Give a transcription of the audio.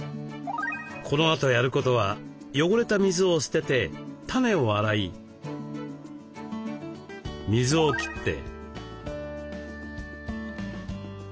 このあとやることは汚れた水を捨ててタネを洗い水を切って再び暗い場所へ。